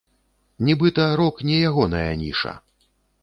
Нібыта, рок не ягоная ніша.